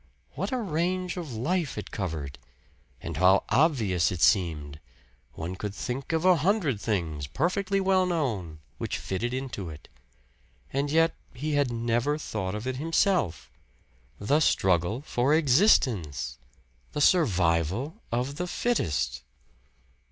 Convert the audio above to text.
What a range of life it covered! And how obvious it seemed one could think of a hundred things, perfectly well known, which fitted into it. And yet he had never thought of it himself! The struggle for existence! The survival of the fittest!